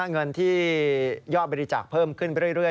เงินที่ยอดบริจาคเพิ่มขึ้นไปเรื่อย